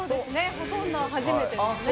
ほとんど初めてですね。